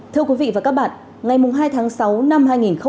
thưa quý vị và các bạn ngày hai tháng sáu năm hai nghìn hai mươi hai